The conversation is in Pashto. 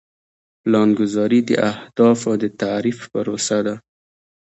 پلانګذاري د اهدافو د تعریف پروسه ده.